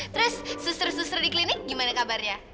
terus suster suster di klinik gimana kabarnya